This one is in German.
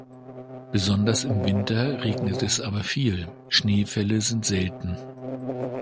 Besonders im Winter regnet es aber viel, Schneefälle sind selten.